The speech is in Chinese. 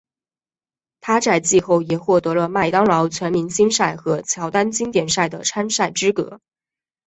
他在季后也获得了麦当劳全明星赛和乔丹经典赛的参赛资格。